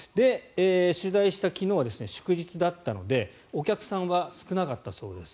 取材した昨日は祝日だったのでお客さんは少なかったそうです。